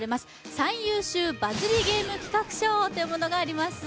最優秀バズりゲーム企画賞というものがあります